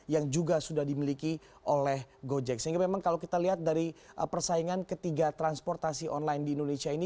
yang juga sudah dimiliki oleh gojek sehingga memang kalau kita lihat dari persaingan ketiga transportasi online di indonesia ini